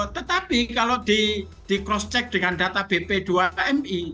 tetapi kalau di cross check dengan data bp dua kmi